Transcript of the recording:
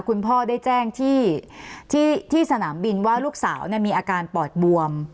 คุณพ่อได้แจ้งที่สนามบินว่าลูกสาวมีอาการปอดบวม